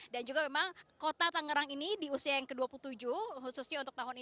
dan juga memang kota tangerang ini di usia yang ke dua puluh tujuh khususnya untuk tahun ini